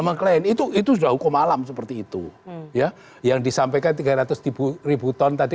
sumber sama klien itu itu sudah hukum alam seperti itu ya yang disampaikan tiga ratus ribu ribu ton tadi